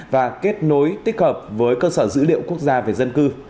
và kết nối tích hợp với cơ sở dữ liệu quốc gia về dân cư